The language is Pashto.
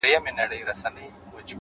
هوډ د وېرې دیوال نړوي’